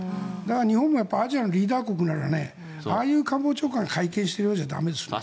日本がアジアのリーダー国ならああいう官房長官が会見をしているようじゃ駄目ですね。